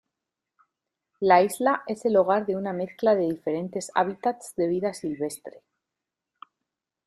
La isla es el hogar de una mezcla de diferentes hábitats de vida silvestre.